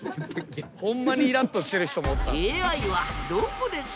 ホンマにイラッとしてる人も。